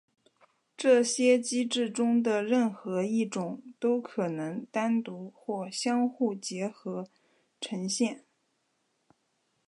这些机制中的任何一种都可能单独或相互结合呈现。